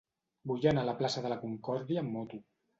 Vull anar a la plaça de la Concòrdia amb moto.